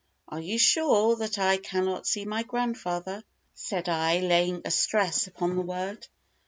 "Are you sure that I cannot see my grandfather," said I, laying a stress upon the word.